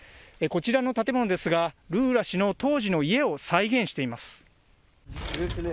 こちらの建物ですが、ルーラ氏の当時の家を再現しています。